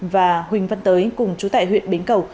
và huỳnh văn tới cùng chú tại huyện bến cầu